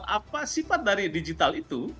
apa sifat dari digital itu